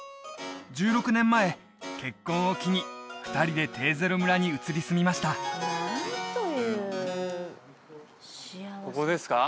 １６年前結婚を機に２人でテーゼロ村に移り住みましたここですか？